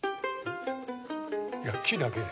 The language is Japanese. いや木だけです。